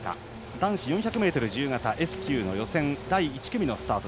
男子４００ｍ自由形Ｓ９の予選第１組のスタート。